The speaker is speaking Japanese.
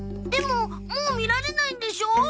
でももう見られないんでしょ？